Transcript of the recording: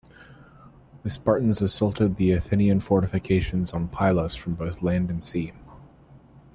The Spartans assaulted the Athenian fortifications on Pylos from both land and sea.